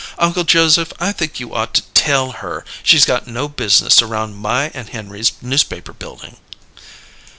Uncle Joseph, I think you ought to tell her she's got no business around my and Henry's Newspaper Building."